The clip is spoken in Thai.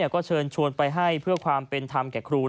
ก็เชิญชวนไปให้เพื่อความเป็นธรรมแก่ครู